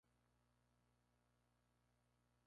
En este contexto, otras coronales son siempre simples.